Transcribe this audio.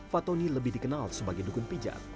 fatoni lebih dikenal sebagai dukun pijat